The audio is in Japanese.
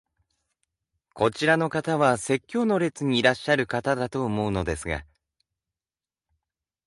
こちらの方は説教の列にいらっしゃる方だと思うのですが。